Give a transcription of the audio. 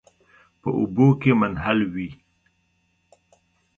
په اوبو کې منحل وي.